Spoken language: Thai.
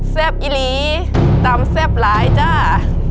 เซ็บอีหรีตำเซ็บหลายจ้า